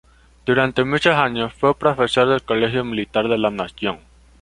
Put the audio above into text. Durante muchos años fue profesor del Colegio Militar de la Nación.